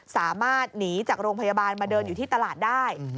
สามารถหนีจากโรงพยาบาลมาเดินอยู่ที่ตลาดได้